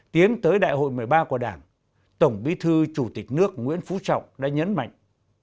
tiến tới đại hội một mươi ba của đảng tổng bí thư chủ tịch nước nguyễn phú trọng đã nhấn mạnh